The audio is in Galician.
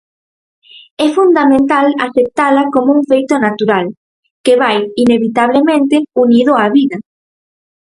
É fundamental aceptala como un feito natural, que vai, inevitablemente, unido á vida.